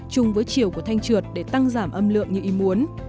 chung với chiều của thanh trượt để tăng giảm âm lượng như ý muốn